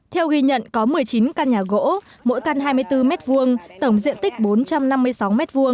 theo ghi nhận có một mươi chín căn nhà gỗ mỗi căn hai mươi bốn m hai tổng diện tích bốn trăm năm mươi sáu m hai